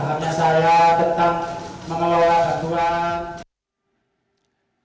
karena tidak pahamnya saya tentang mengelola kakuan